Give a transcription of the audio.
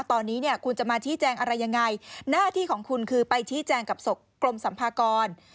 ตอนนี้เนี่ยคุณจะมาชี้แจงอะไรยังไงหน้าที่ของคุณคือไปชี้แจงกับกรมสัมภากร